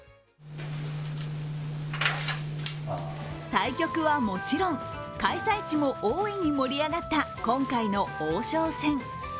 対局はもちろん、開催地も大いに盛り上がった今回の王将戦。